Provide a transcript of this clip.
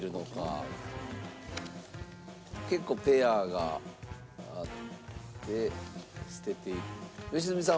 結構ペアがあって捨てて。